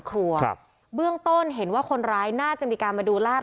ครัวครับเบื้องต้นเห็นว่าคนร้ายน่าจะมีการมาดูลาด